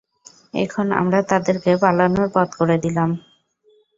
এখন আমরা তাদেরকে পালানোর পথ করে দিলাম।